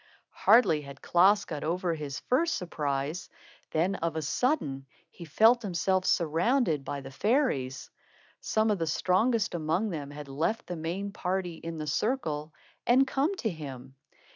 Hardly had Klaas got over his first surprise, than of a sudden he felt himself surrounded by the fairies. Some of the strongest among them had left the main party in the circle and come to him.